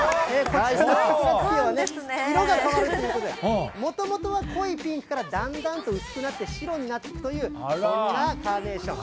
こちらのさくら月夜は色が変わるということで、もともとは濃いピンクからだんだんと薄くなって、白になっていくというそんなカーネーション。